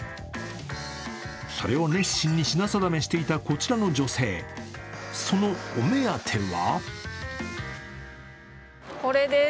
それを熱心に品定めをしていたこちらの女性、そのお目当ては？